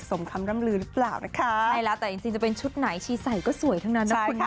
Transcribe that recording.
ทุกอย่างอื่นอย่างเรื่องสีอย่างเรื่องอะไรก็คุยกันค่ะ